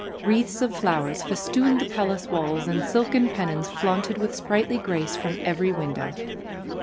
Wreathes of flowers fes tooned the palace walls and silken pennons flaunted with sprightly grace from every window.